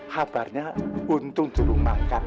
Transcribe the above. habarnya untung turun makan